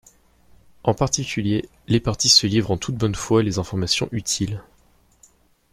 En particulier, les parties se livrent en toute bonne foi les informations utiles.